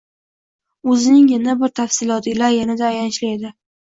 o‘zining yana bir tafsiloti ila yanada ayanchli edi.